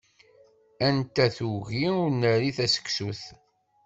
Anta tuggi ur nerri taseksut?